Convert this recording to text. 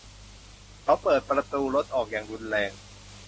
เขาเปิดประตูรถออกอย่างรุนแรง